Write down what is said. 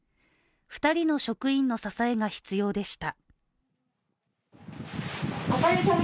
２人の職員の支えが必要でした。